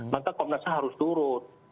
maka komnasnya harus turun